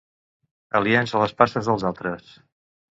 Aliens a les passes dels altres.